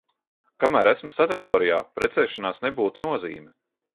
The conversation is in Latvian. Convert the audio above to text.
Kamēr esmu sanatorijā – precēšanās nebūtu nozīme.